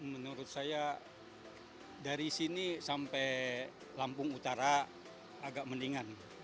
menurut saya dari sini sampai lampung utara agak mendingan